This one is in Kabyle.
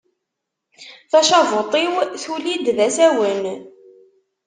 Tacabuṭ-iw tulli-d d asawen.